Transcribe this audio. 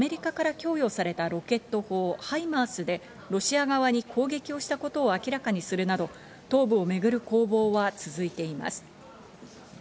州ではウクライナ軍がアメリカから供与されたロケット砲「ハイマース」でロシア側に攻撃をしたことを明らかにするなど東部をめぐる攻防は続いています。